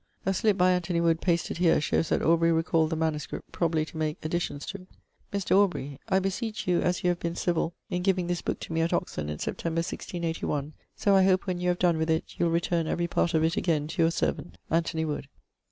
A slip by Anthony Wood, pasted here, shows that Aubrey recalled the MS., probably to make additions to it: 'Mr. AUBREY, I beseech you as you have been civill in giving this book to me at Oxon in Sept. 1681, so I hope when you have done with it you'l returne every part of it againe to your servant, ANT. WOOD.'